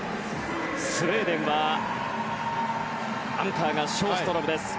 スウェーデンはアンカーがショーストロムです。